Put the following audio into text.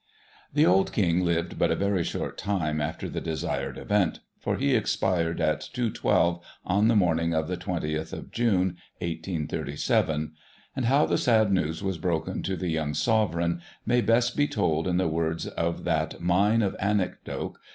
The old King Kved but a very short time after the desired event, for he expired at 2.12 on the morning of the 20th of June, 1837, and how the sad news was broken to the young Sovereign may best be told in the words of that mine of anecdote.